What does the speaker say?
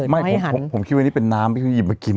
ไม่ผมคิดว่านี่เป็นน้ำที่เขาหยิบมากิน